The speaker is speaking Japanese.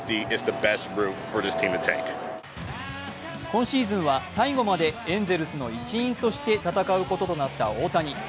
今シーズンは最後までエンゼルスの一員として戦うこととなった大谷。